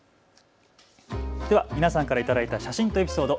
皆さんから頂いた写真とエピソード、＃